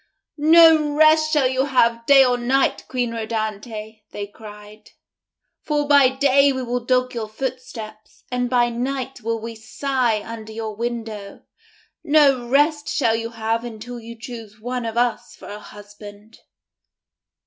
"No rest shall you have day or night, Queen Rhodanthe," they cried, "for by day will we dog your footsteps, and by night will we sigh under your window. No rest shall you have until you choose one of us for a husband."